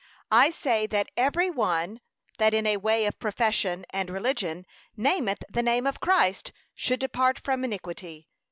I say, that every one that in a way of profession and religion, 'nameth the name of Christ, should depart from iniquity.'